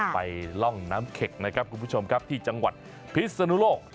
ร่องน้ำเข็กนะครับคุณผู้ชมครับที่จังหวัดพิศนุโลก